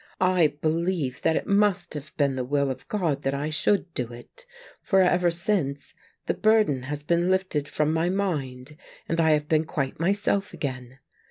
I believe that it must have been the will of God that I should do it, for ever since the burden has been lifted from my mind, and I have been quite myself again.